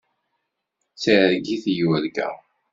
D targit i yurga.